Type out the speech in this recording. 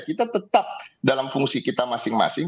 kita tetap dalam fungsi kita masing masing